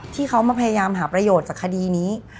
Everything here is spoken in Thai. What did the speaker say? ที่เขามาพยายามหาประโยชน์จากคดีนี้